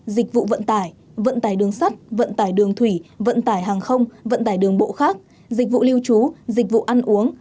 dịch vụ vận tải vận tải đường sắt vận tải đường thủy vận tải hàng không vận tải đường bộ khác dịch vụ lưu trú dịch vụ ăn uống